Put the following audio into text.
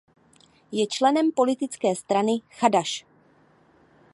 Je členem politické strany Chadaš.